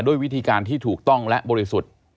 ด้วยวิธีการที่ถูกต้องและบริสุทธิ์